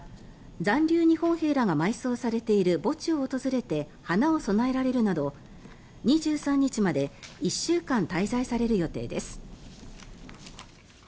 残留日本兵らが埋葬されている墓地を訪れて花を供えられるなど２３日まで１週間滞在される予定です。